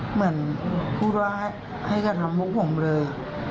เหมือนพูดว่าให้กระทำพวกผมเลย